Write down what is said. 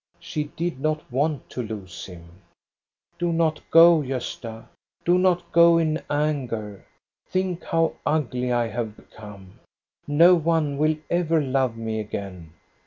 She did not want to lose him. " Do not go, Gosta ! Do not go in anger ! Think how ugly I have become ! No one will ever love me again."